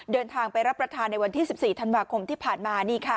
เดินทางไปรับประทานในวันที่๑๔ธันวาคมที่ผ่านมา